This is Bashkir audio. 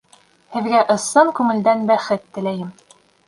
Һеҙгә ысын күңелдән бәхет теләйем!